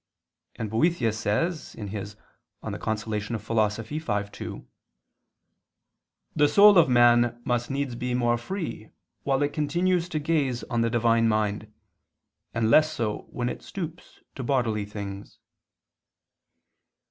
And Boethius says (De Consol. v, 2): "The soul of man must needs be more free while it continues to gaze on the Divine mind, and less so when it stoops to bodily things."